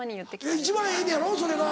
一番いいのやろそれが。